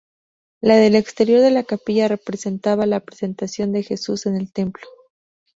La del exterior de la capilla representaba la Presentación de Jesús en el Templo.